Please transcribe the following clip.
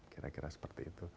kira kira seperti itu